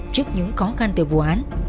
trước những khó khăn từ vụ án